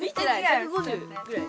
１５０ぐらい。